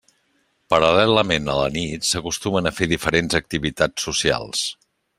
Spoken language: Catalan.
Paral·lelament a la nit s'acostumen a fer diferents activitats socials.